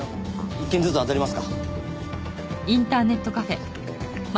一軒ずつあたりますか。